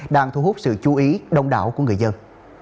đang thu hút sự chú ý đông đảo của người dân